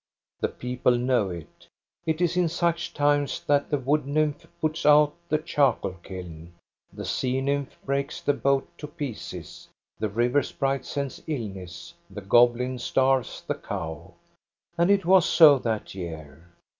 The people know it. It is in such times that the wood nymph puts out the char coal kiln, the sea nymph breaks the boat to pieces, the river sprite sends illness, the goblin starves the cow. And it was so that year.